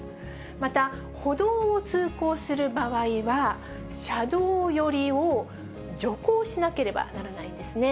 また、歩道を通行する場合は、車道寄りを徐行しなければならないんですね。